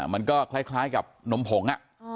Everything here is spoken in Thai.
มันก็คล้ายกับนมผง